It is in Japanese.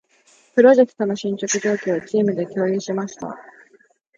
プロジェクトの進捗状況を、チームで共有しました。